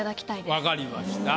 わかりました。